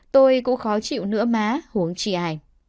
tôi cũng khó chịu nữa má huống chi ai